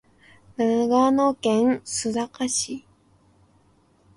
長野県須坂市